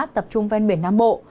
tập trung bên biển nam bộ